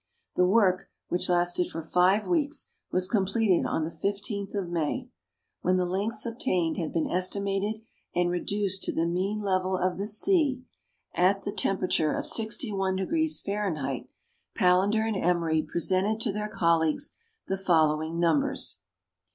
The work, which lasted for five weeks, was completed on the 15th of May. When the lengths obtained had been estimated and reduced to the mean level of the sea at the 228 meridiana; the adventures of temperature of 6i° Fahrenheit, Palander and Emery pre sented to their colleagues the following numbers :— Toises.